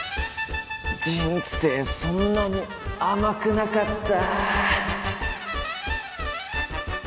人生そんなに甘くなかった。